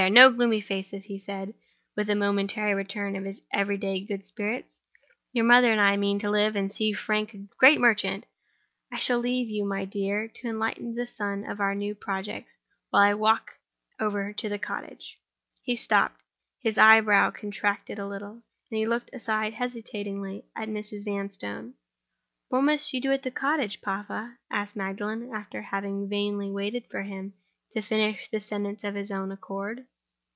no gloomy faces," he said, with a momentary return of his every day good spirits. "Your mother and I mean to live and see Frank a great merchant. I shall leave you, my dear, to enlighten the son on our new projects, while I walk over to the cottage—" He stopped; his eyebrows contracted a little; and he looked aside hesitatingly at Mrs. Vanstone. "What must you do at the cottage, papa?" asked Magdalen, after having vainly waited for him to finish the sentence of his own accord.